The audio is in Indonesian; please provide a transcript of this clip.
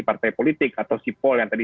partai politik atau sipol yang tadi